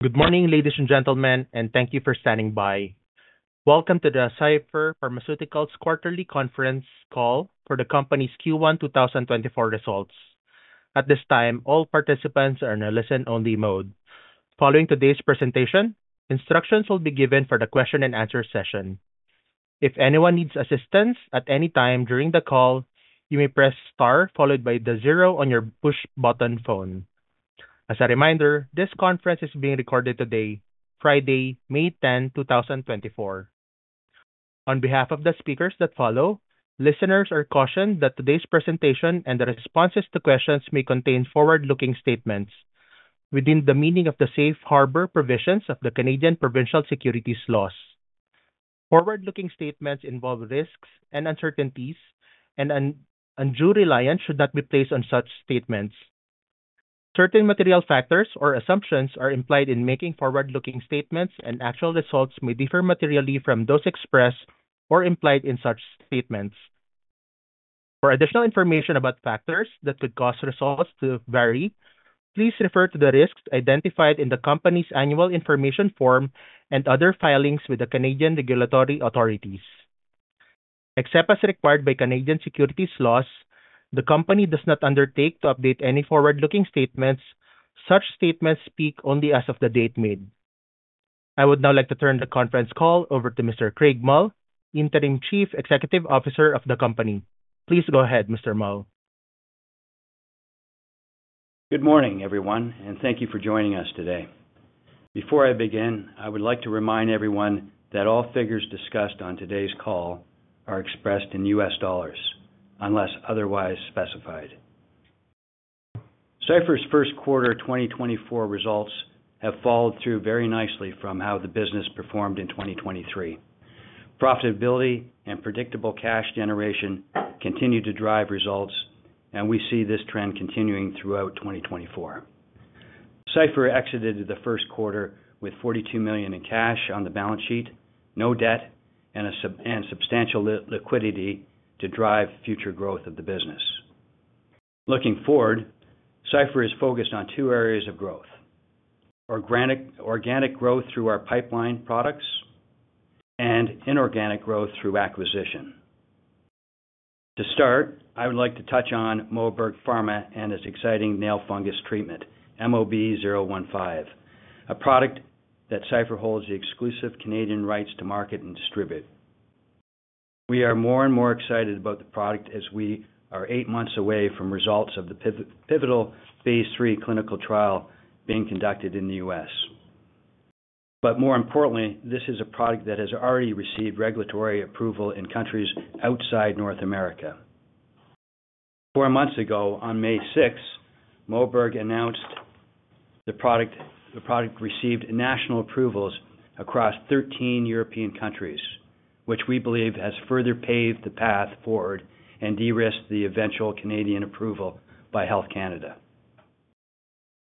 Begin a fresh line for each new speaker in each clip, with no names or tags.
Good morning, ladies and gentlemen, and thank you for standing by. Welcome to the Cipher Pharmaceuticals Quarterly Conference Call for the company's Q1 2024 Results. At this time, all participants are in a listen-only mode. Following today's presentation, instructions will be given for the question-and-answer session. If anyone needs assistance at any time during the call, you may press * followed by the zero on your push-button phone. As a reminder, this conference is being recorded today, Friday, May 10, 2024. On behalf of the speakers that follow, listeners are cautioned that today's presentation and the responses to questions may contain forward-looking statements within the meaning of the Safe Harbor provisions of the Canadian Provincial Securities Laws. Forward-looking statements involve risks and uncertainties, and undue reliance should not be placed on such statements. Certain material factors or assumptions are implied in making forward-looking statements, and actual results may differ materially from those expressed or implied in such statements. For additional information about factors that could cause results to vary, please refer to the risks identified in the company's annual information form and other filings with the Canadian regulatory authorities. Except as required by Canadian Securities Laws, the company does not undertake to update any forward-looking statements. Such statements speak only as of the date made. I would now like to turn the conference call over to Mr. Craig Mull, Interim Chief Executive Officer of the company. Please go ahead, Mr. Mull.
Good morning, everyone, and thank you for joining us today. Before I begin, I would like to remind everyone that all figures discussed on today's call are expressed in US dollars, unless otherwise specified. Cipher's First Quarter 2024 Results have followed through very nicely from how the business performed in 2023. Profitability and predictable cash generation continue to drive results, and we see this trend continuing throughout 2024. Cipher exited the first quarter with $42 million in cash on the balance sheet, no debt, and substantial liquidity to drive future growth of the business. Looking forward, Cipher is focused on two areas of growth: organic growth through our pipeline products and inorganic growth through acquisition. To start, I would like to touch on Moberg Pharma and its exciting nail fungus treatment, MOB-015, a product that Cipher holds the exclusive Canadian rights to market and distribute. We are more and more excited about the product as we are eight months away from results of the pivotal Phase III clinical trial being conducted in the U.S. But more importantly, this is a product that has already received regulatory approval in countries outside North America. Four months ago, on May 6, Moberg announced the product received national approvals across 13 European countries, which we believe has further paved the path forward and de-risked the eventual Canadian approval by Health Canada.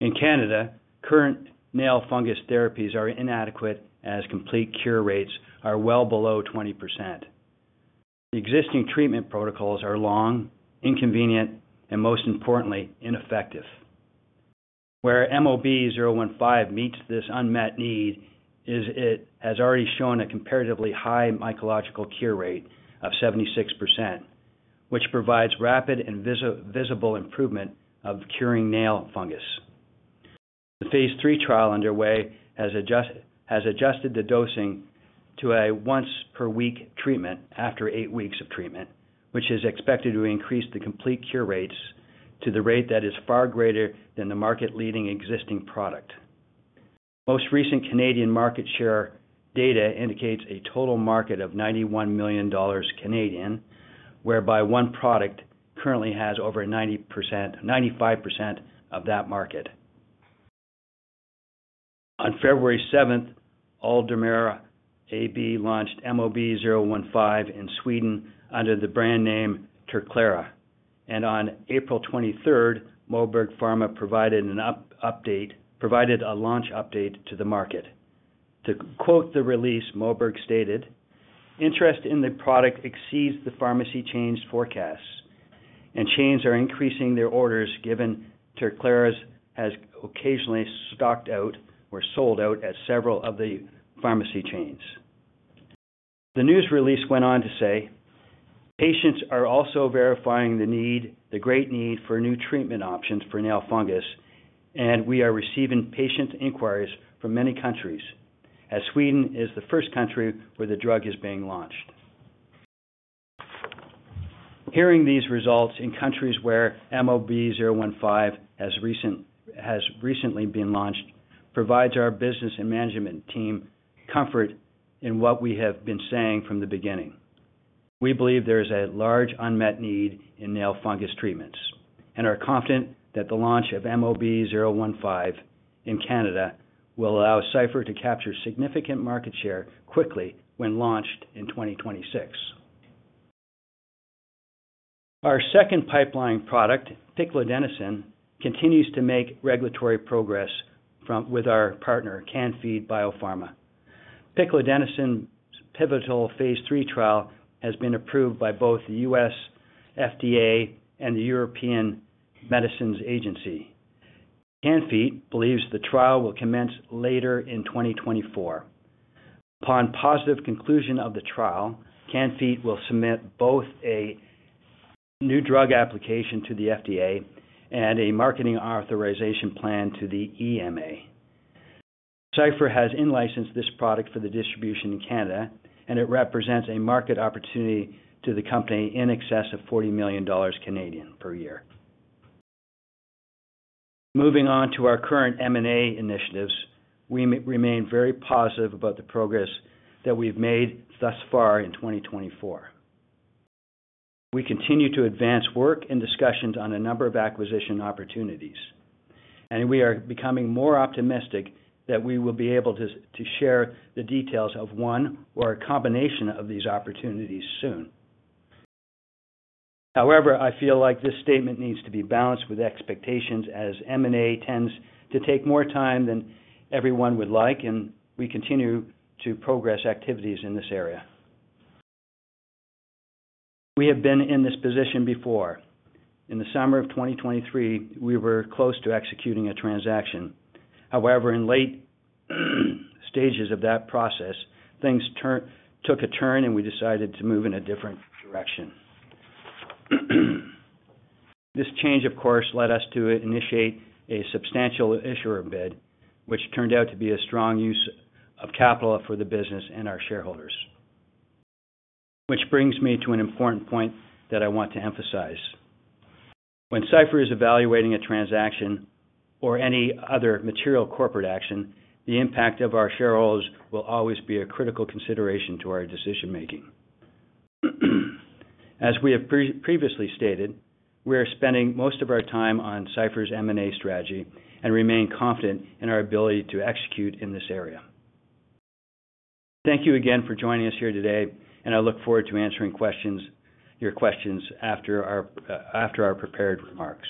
In Canada, current nail fungus therapies are inadequate as complete cure rates are well below 20%. The existing treatment protocols are long, inconvenient, and most importantly, ineffective. Where MOB-015 meets this unmet need is it has already shown a comparatively high mycological cure rate of 76%, which provides rapid and visible improvement of curing nail fungus. The Phase III trial underway has adjusted the dosing to a once-per-week treatment after eight weeks of treatment, which is expected to increase the complete cure rates to the rate that is far greater than the market-leading existing product. Most recent Canadian market share data indicates a total market of 91 million Canadian dollars, whereby one product currently has over 90%, 95% of that market. On February 7, Allderma AB launched MOB-015 in Sweden under the brand name Terclara, and on April 23, Moberg Pharma provided an update, provided a launch update to the market. To quote the release, Moberg stated, "Interest in the product exceeds the pharmacy chain's forecasts, and chains are increasing their orders given Terclara has occasionally stocked out or sold out at several of the pharmacy chains. " The news release went on to say, "Patients are also verifying the need, the great need for new treatment options for nail fungus, and we are receiving patient inquiries from many countries, as Sweden is the first country where the drug is being launched." Hearing these results in countries where MOB-015 has recently been launched provides our business and management team comfort in what we have been saying from the beginning. We believe there is a large unmet need in nail fungus treatments and are confident that the launch of MOB-015 in Canada will allow Cipher to capture significant market share quickly when launched in 2026.Our second pipeline product, Piclidenoson, continues to make regulatory progress with our partner, Can-Fite BioPharma. Piclidenoson's pivotal Phase III trial has been approved by both the US FDA and the European Medicines Agency. Can-Fite believes the trial will commence later in 2024. Upon positive conclusion of the trial, Can-Fite will submit both a new drug application to the FDA and a marketing authorization plan to the EMA. Cipher has enlicensed this product for the distribution in Canada, and it represents a market opportunity to the company in excess of 40 million Canadian dollars per year. Moving on to our current M&A initiatives, we remain very positive about the progress that we've made thus far in 2024. We continue to advance work and discussions on a number of acquisition opportunities, and we are becoming more optimistic that we will be able to share the details of one or a combination of these opportunities soon. However, I feel like this statement needs to be balanced with expectations as M&A tends to take more time than everyone would like, and we continue to progress activities in this area. We have been in this position before. In the summer of 2023, we were close to executing a transaction. However, in late stages of that process, things took a turn, and we decided to move in a different direction. This change, of course, led us to initiate a substantial issuer bid, which turned out to be a strong use of capital for the business and our shareholders, which brings me to an important point that I want to emphasize. When Cipher is evaluating a transaction or any other material corporate action, the impact of our shareholders will always be a critical consideration to our decision-making. As we have previously stated, we are spending most of our time on Cipher's M&A strategy and remain confident in our ability to execute in this area. Thank you again for joining us here today, and I look forward to answering your questions after our prepared remarks.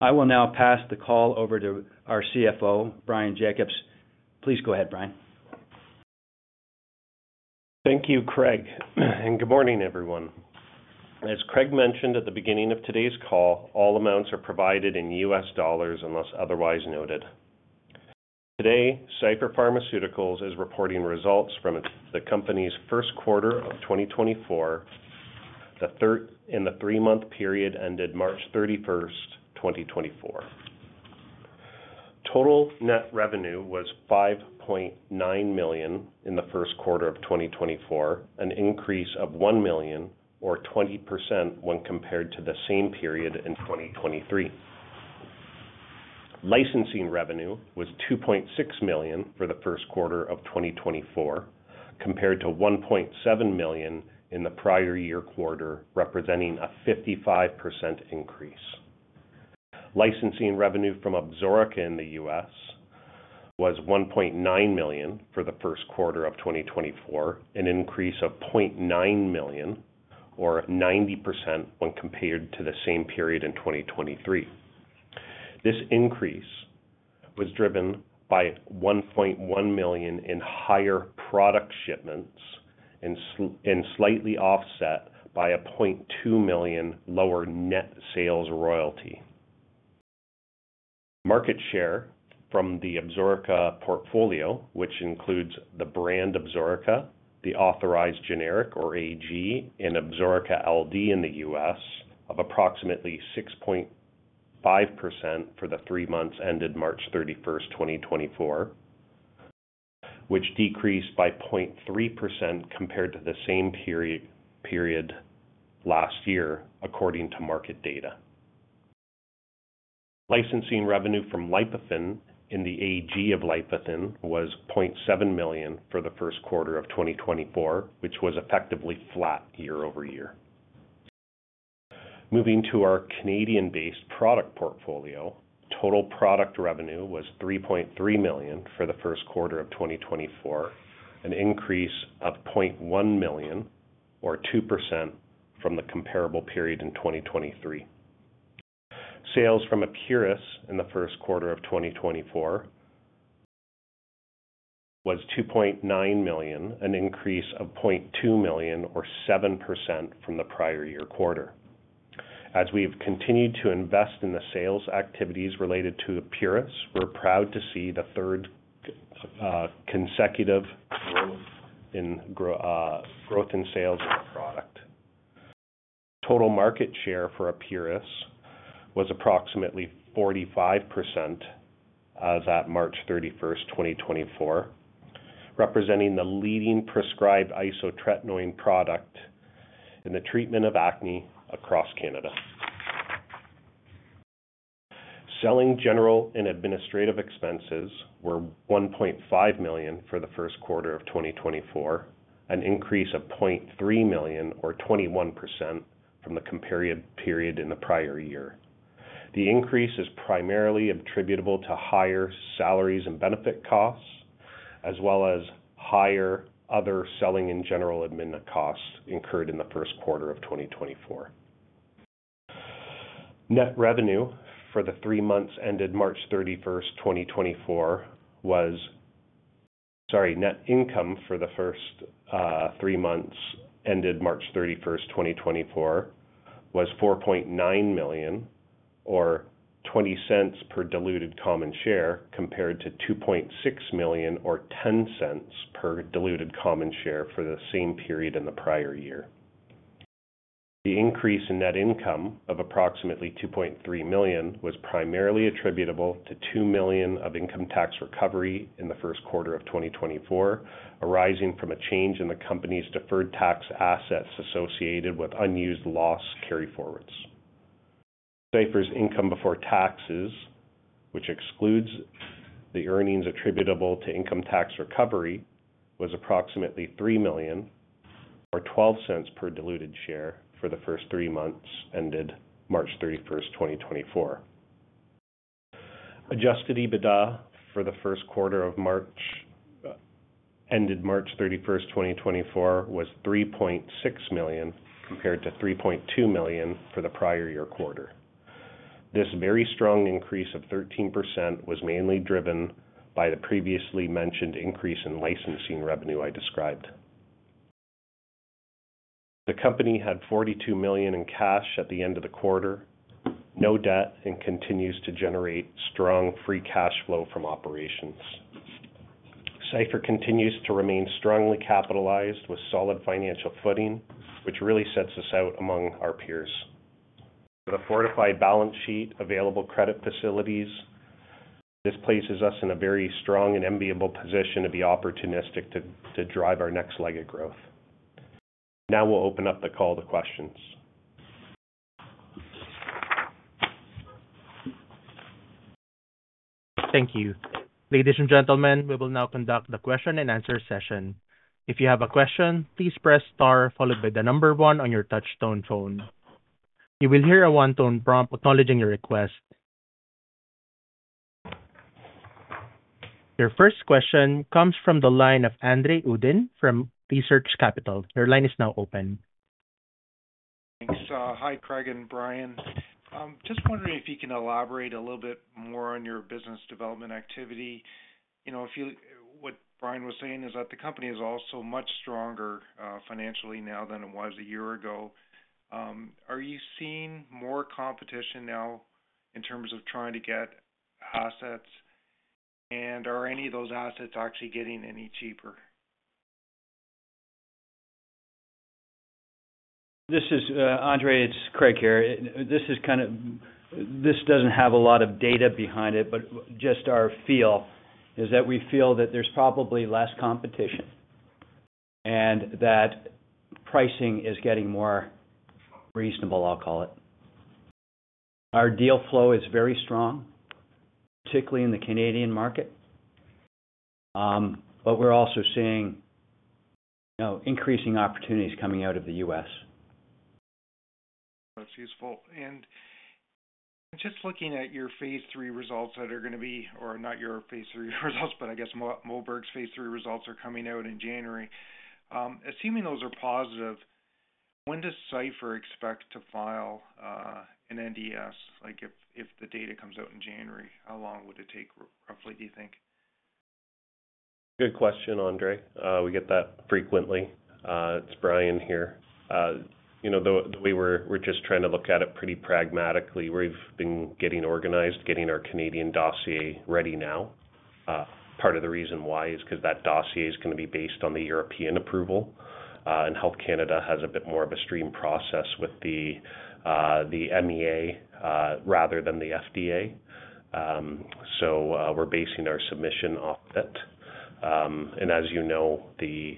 I will now pass the call over to our CFO, Bryan Jacobs. Please go ahead, Bryan.
Thank you, Craig, and good morning, everyone. As Craig mentioned at the beginning of today's call, all amounts are provided in US dollars unless otherwise noted. Today, Cipher Pharmaceuticals is reporting results from the company's first quarter of 2024 in the three-month period ended March 31, 2024. Total net revenue was $5.9 million in the first quarter of 2024, an increase of $1 million or 20% when compared to the same period in 2023. Licensing revenue was $2.6 million for the first quarter of 2024, compared to $1.7 million in the prior year quarter, representing a 55% increase. Licensing revenue from Absorica in the U.S. was $1.9 million for the first quarter of 2024, an increase of $0.9 million or 90% when compared to the same period in 2023. This increase was driven by $1.1 million in higher product shipments and slightly offset by a $0.2 million lower net sales royalty. Market share from the Absorica portfolio, which includes the brand Absorica, the authorized generic or AG, and Absorica LD in the U.S. of approximately 6.5% for the three months ended March 31, 2024, which decreased by 0.3% compared to the same period last year, according to market data. Licensing revenue from Lipofen in the AG of Lipofen was $0.7 million for the first quarter of 2024, which was effectively flat year-over-year. Moving to our Canadian-based product portfolio, total product revenue was $3.3 million for the first quarter of 2024, an increase of $0.1 million or 2% from the comparable period in 2023. Sales from Epuris in the first quarter of 2024 was $2.9 million, an increase of $0.2 million or 7% from the prior year quarter. As we've continued to invest in the sales activities related to Epuris, we're proud to see the third consecutive growth in sales of the product. Total market share for Epuris was approximately 45% as of March 31, 2024, representing the leading prescribed isotretinoin product in the treatment of acne across Canada. Selling, general, and administrative expenses were $1.5 million for the first quarter of 2024, an increase of $0.3 million or 21% from the comparative period in the prior year. The increase is primarily attributable to higher salaries and benefit costs, as well as higher other selling, general, and admin costs incurred in the first quarter of 2024.Net revenue for the three months ended March 31, 2024 was sorry, net income for the first three months ended March 31, 2024, was 4.9 million or 0.20 per diluted common share compared to 2.6 million or 0.10 per diluted common share for the same period in the prior year. The increase in net income of approximately 2.3 million was primarily attributable to 2 million of income tax recovery in the first quarter of 2024, arising from a change in the company's deferred tax assets associated with unused loss carryforwards. Cipher's income before taxes, which excludes the earnings attributable to income tax recovery, was approximately 3 million or 0.12 per diluted share for the first three months ended March 31, 2024. Adjusted EBITDA for the first quarter of March ended March 31, 2024, was 3.6 million compared to 3.2 million for the prior year quarter. This very strong increase of 13% was mainly driven by the previously mentioned increase in licensing revenue I described. The company had 42 million in cash at the end of the quarter, no debt, and continues to generate strong free cash flow from operations. Cipher continues to remain strongly capitalized with solid financial footing, which really sets us out among our peers. The fortified balance sheet available credit facilities, this places us in a very strong and enviable position to be opportunistic to drive our next leg of growth. Now we'll open up the call to questions.
Thank you. Ladies and gentlemen, we will now conduct the question and answer session. If you have a question, please press star followed by the number one on your touch-tone phone. You will hear a tone prompt acknowledging your request. Your first question comes from the line of Andre Uddin from Research Capital. Your line is now open.
Thanks. Hi, Craig and Bryan. Just wondering if you can elaborate a little bit more on your business development activity. If what Bryan was saying is that the company is also much stronger financially now than it was a year ago. Are you seeing more competition now in terms of trying to get assets, and are any of those assets actually getting any cheaper?
This is Andre. It's Craig here. This doesn't have a lot of data behind it, but just our feel is that we feel that there's probably less competition and that pricing is getting more reasonable, I'll call it. Our deal flow is very strong, particularly in the Canadian market, but we're also seeing increasing opportunities coming out of the U.S.
That's useful. Just looking at your phase III results that are going to be or not your phase III results, but I guess Moberg's phase III results are coming out in January. Assuming those are positive, when does Cipher expect to file an NDS? If the data comes out in January, how long would it take roughly, do you think?
Good question, Andre. We get that frequently. It's Bryan here. Though we were just trying to look at it pretty pragmatically, we've been getting organized, getting our Canadian dossier ready now. Part of the reason why is because that dossier is going to be based on the European approval, and Health Canada has a bit more of a streamlined process with the EMA rather than the FDA. So we're basing our submission off of it. And as you know, the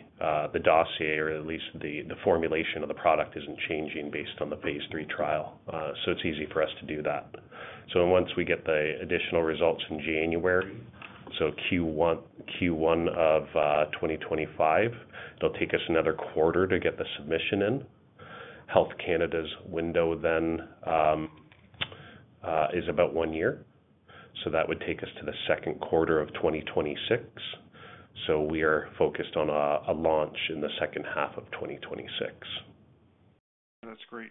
dossier, or at least the formulation of the product, isn't changing based on the phase III trial, so it's easy for us to do that. So once we get the additional results in January, so Q1 of 2025, it'll take us another quarter to get the submission in. Health Canada's window then is about one year, so that would take us to the second quarter of 2026.We are focused on a launch in the second half of 2026.
That's great.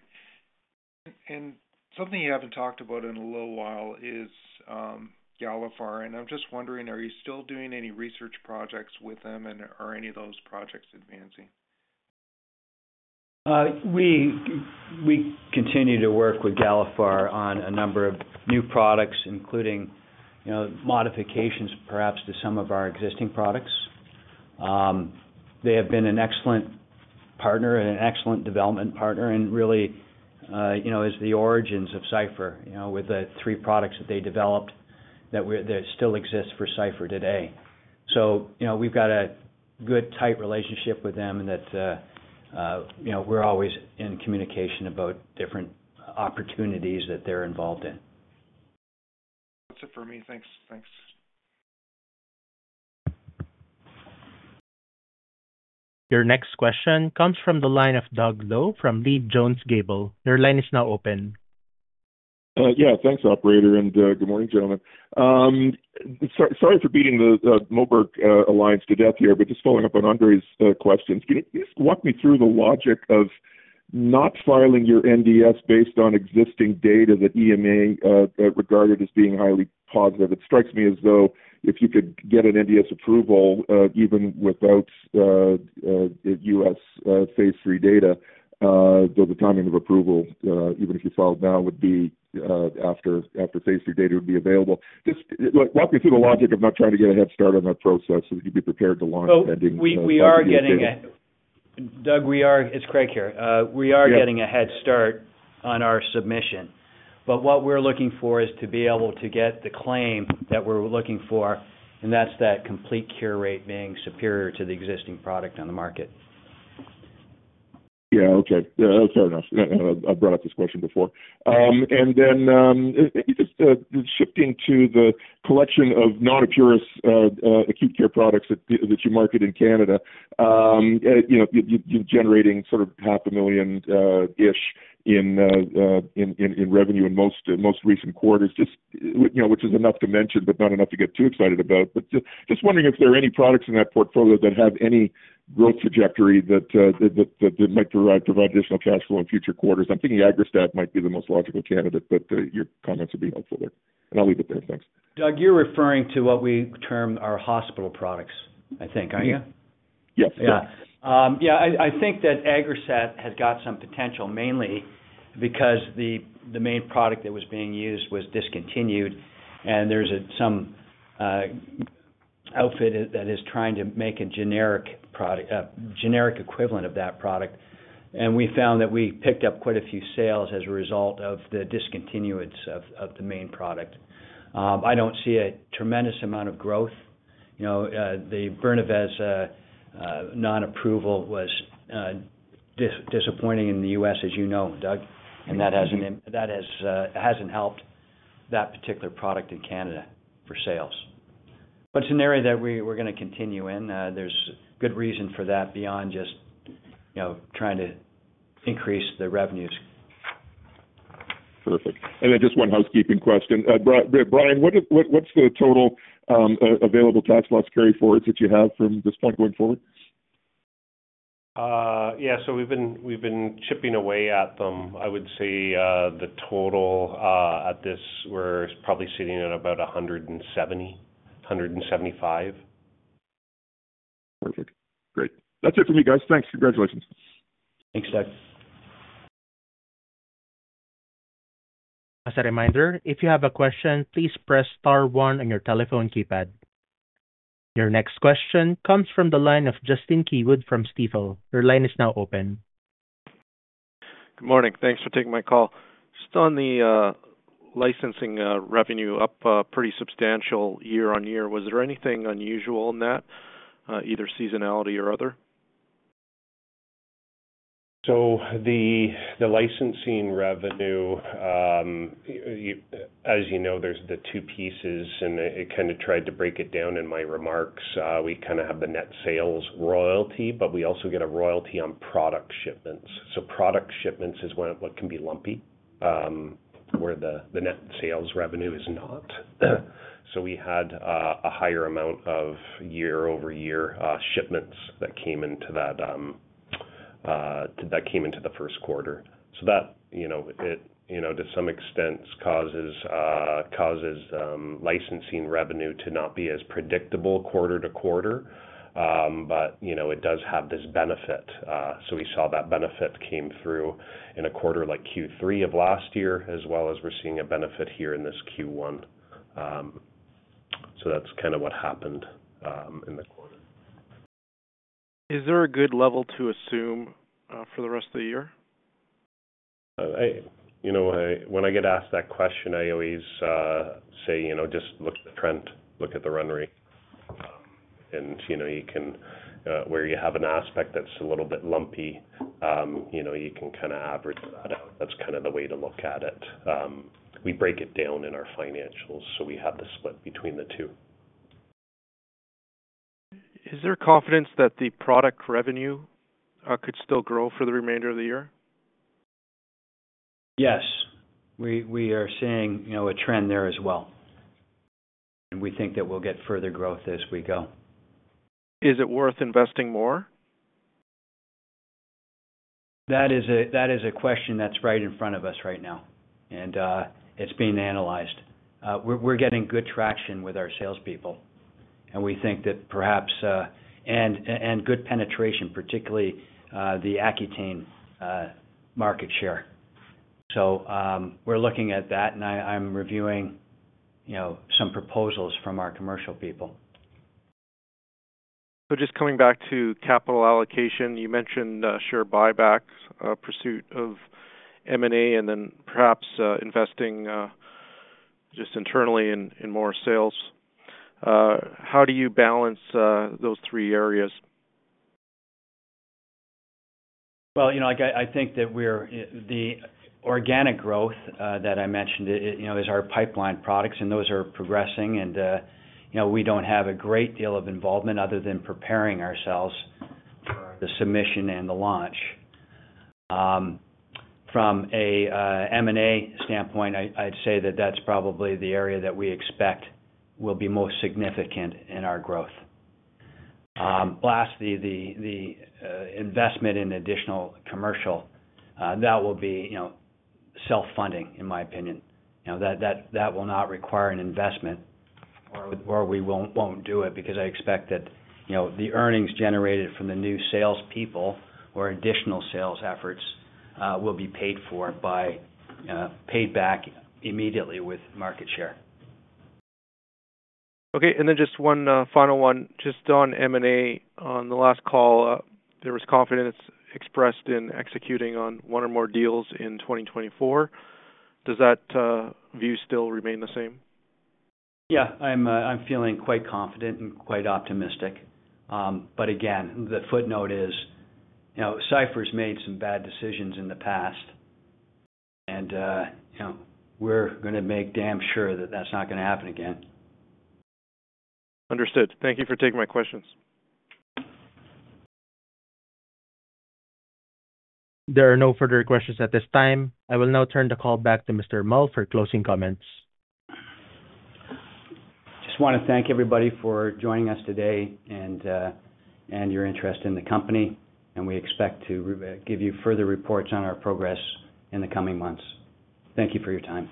Something you haven't talked about in a little while is Galephar, and I'm just wondering, are you still doing any research projects with them, and are any of those projects advancing?
We continue to work with Galephar on a number of new products, including modifications, perhaps, to some of our existing products. They have been an excellent partner and an excellent development partner and really is the origins of Cipher with the three products that they developed that still exist for Cipher today. So we've got a good, tight relationship with them and that we're always in communication about different opportunities that they're involved in.
That's it for me. Thanks.
Your next question comes from the line of Doug Loe from Leede Jones Gable. Your line is now open.
Yeah, thanks, operator, and good morning, gentlemen. Sorry for beating the Moberg alliance to death here, but just following up on Andre's questions, can you just walk me through the logic of not filing your NDS based on existing data that EMA regarded as being highly positive? It strikes me as though if you could get an NDS approval even without U.S. phase III data, though the timing of approval, even if you filed now, would be after phase III data would be available. Just walk me through the logic of not trying to get a head start on that process so that you'd be prepared to launch pending NDS?
We're getting ahead, Doug. We're—it's Craig here. We're getting a head start on our submission, but what we're looking for is to be able to get the claim that we're looking for, and that's that complete cure rate being superior to the existing product on the market.
Yeah, okay. Fair enough. I brought up this question before. And then maybe just shifting to the collection of non-Epuris acute care products that you market in Canada, you're generating sort of 500,000-ish in revenue in most recent quarters, which is enough to mention but not enough to get too excited about. But just wondering if there are any products in that portfolio that have any growth trajectory that might provide additional cash flow in future quarters. I'm thinking Aggrastat might be the most logical candidate, but your comments would be helpful there. And I'll leave it there. Thanks.
Doug, you're referring to what we term our hospital products, I think, are you?
Yes.
Yeah. Yeah, I think that Aggrastat has got some potential, mainly because the main product that was being used was discontinued, and there's some outfit that is trying to make a generic equivalent of that product, and we found that we picked up quite a few sales as a result of the discontinuance of the main product. I don't see a tremendous amount of growth. The Brinavess non-approval was disappointing in the U.S., as you know, Doug, and that hasn't helped that particular product in Canada for sales. But it's an area that we're going to continue in. There's good reason for that beyond just trying to increase the revenues.
Perfect. And then just one housekeeping question. Bryan, what's the total available tax loss carryforwards that you have from this point going forward?
Yeah, so we've been chipping away at them. I would say the total at this we're probably sitting at about 170-175.
Perfect. Great. That's it for me, guys. Thanks. Congratulations.
Thanks, Doug.
As a reminder, if you have a question, please press star one on your telephone keypad. Your next question comes from the line of Justin Keywood from Stifel. Your line is now open.
Good morning. Thanks for taking my call. Just on the licensing revenue, up pretty substantial year-over-year. Was there anything unusual in that, either seasonality or other? So the licensing revenue, as you know, there's the two pieces, and I kind of tried to break it down in my remarks. We kind of have the net sales royalty, but we also get a royalty on product shipments. So product shipments is what can be lumpy, where the net sales revenue is not. So we had a higher amount of year-over-year shipments that came into the first quarter. So that, to some extent, causes licensing revenue to not be as predictable quarter-to-quarter, but it does have this benefit. So we saw that benefit came through in a quarter like Q3 of last year, as well as we're seeing a benefit here in this Q1.That's kind of what happened in the quarter. Is there a good level to assume for the rest of the year? When I get asked that question, I always say, "Just look at the trend. Look at the run rate." Where you have an aspect that's a little bit lumpy, you can kind of average that out. That's kind of the way to look at it. We break it down in our financials, so we have the split between the two. Is there confidence that the product revenue could still grow for the remainder of the year?
Yes. We are seeing a trend there as well, and we think that we'll get further growth as we go.
Is it worth investing more?
That is a question that's right in front of us right now, and it's being analyzed. We're getting good traction with our salespeople, and we think that perhaps and good penetration, particularly the Accutane market share. So we're looking at that, and I'm reviewing some proposals from our commercial people.
Just coming back to capital allocation, you mentioned share buyback, pursuit of M&A, and then perhaps investing just internally in more sales. How do you balance those three areas?
Well, I think that we're the organic growth that I mentioned is our pipeline products, and those are progressing, and we don't have a great deal of involvement other than preparing ourselves for the submission and the launch. From an M&A standpoint, I'd say that that's probably the area that we expect will be most significant in our growth. Lastly, the investment in additional commercial, that will be self-funding, in my opinion. That will not require an investment, or we won't do it because I expect that the earnings generated from the new salespeople or additional sales efforts will be paid back immediately with market share.
Okay. And then just one final one. Just on M&A, on the last call, there was confidence expressed in executing on one or more deals in 2024. Does that view still remain the same?
Yeah, I'm feeling quite confident and quite optimistic. But again, the footnote is Cipher has made some bad decisions in the past, and we're going to make damn sure that that's not going to happen again.
Understood. Thank you for taking my questions.
There are no further questions at this time. I will now turn the call back to Mr. Mull for closing comments.
Just want to thank everybody for joining us today and your interest in the company, and we expect to give you further reports on our progress in the coming months. Thank you for your time.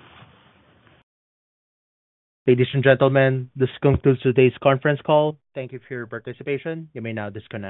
Ladies and gentlemen, this concludes today's conference call. Thank you for your participation. You may now disconnect.